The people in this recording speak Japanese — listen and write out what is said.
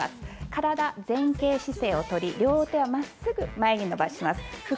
体、前傾姿勢をとり、両手はまっすぐ前に伸ばします。